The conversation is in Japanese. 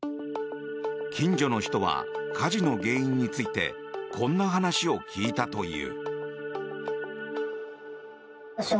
近所の人は火事の原因についてこんな話を聞いたという。